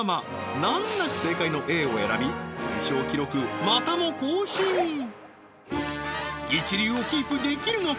難なく正解のＡを選び連勝記録またも更新一流をキープできるのか？